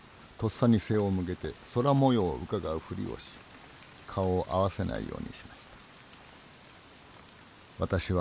とっさに背を向けて空もようをうかがうふりをし顔を合わせないようにしました。